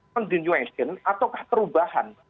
continuation ataukah perubahan